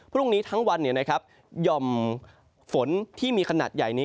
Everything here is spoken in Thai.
พรุ่งนี้ทั้งวันหย่อมฝนที่มีขนาดใหญ่นี้